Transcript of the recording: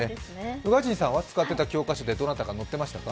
宇賀神さんは、使っていた教科書でどなたか載っていましたか。